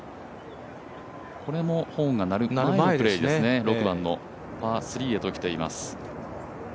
これもホーンが鳴る前ですね、６番のパー３へと来ています。